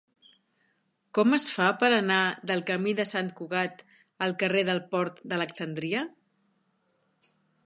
Com es fa per anar del camí de Sant Cugat al carrer del Port d'Alexandria?